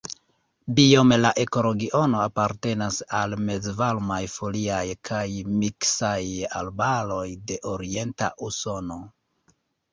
Biome la ekoregiono apartenas al mezvarmaj foliaj kaj miksaj arbaroj de Orienta Usono.